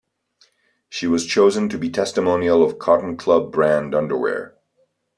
She was chosen to be testimonial of "Cotton Club" brand underwear.